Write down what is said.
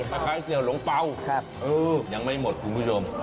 กาแกะเตี๋ยวหลงเป้ายังไม่หมดคุณผู้ชม